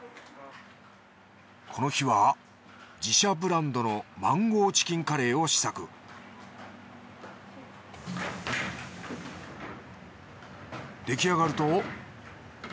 この日は自社ブランドのマンゴーチキンカレーを試作出来上がると。